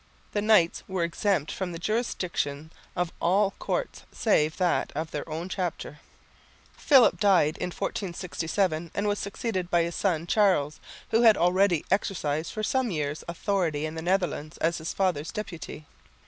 The knights were exempt from the jurisdiction of all courts, save that of their own chapter. Philip died in 1467 and was succeeded by his son, Charles, who had already exercised for some years authority in the Netherlands as his father's deputy.